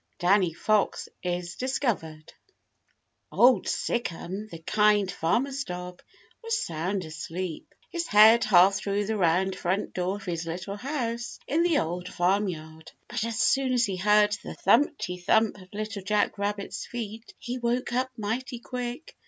DANNY FOX IS DISCOVERED Old Sic'em, the Kind Farmer's dog, was sound asleep, his head half through the round front door of his little house in the old farm yard. But as soon as he heard the thumpty thump of Little Jack Rabbit's feet, he woke up mighty quick.